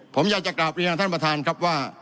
ผมอยากจะกลับเรียนท่านประธานครับว่า